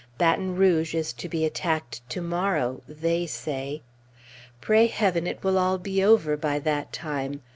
Baton Rouge is to be attacked to morrow, "they say." Pray Heaven it will all be over by that time!